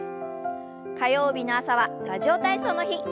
火曜日の朝は「ラジオ体操」の日。